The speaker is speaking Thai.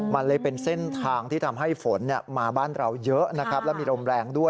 มันเลยเป็นเส้นทางที่ทำให้ฝนมาบ้านเราเยอะนะครับแล้วมีลมแรงด้วย